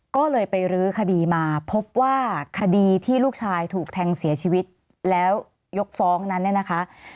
ก็เลยไปรื้อคดีมาพบว่าคดีที่ลูกชายถูกแทงเสียชีวิตแล้วยกฟ้องนั้นเนี่ยนะคะ